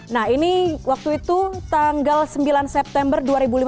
nah ini waktu itu tanggal sembilan september dua ribu lima belas